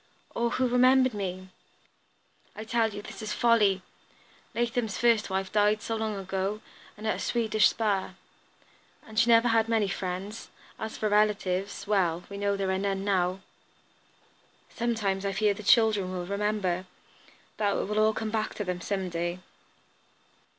"Or who remembered me!" "I tell you this is folly! Latham's first wife died so long ago, and at a Swedish spa. And she never had many friends. As for relatives, well, we know there are none now." "Sometimes I fear the children will remember; that it will all come back to them, some day."